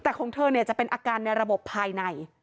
แต่ของเธอเนี่ยจะเป็นอาการในระบบภายใน